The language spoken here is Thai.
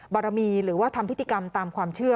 บารมีหรือว่าทำพิธีกรรมตามความเชื่อ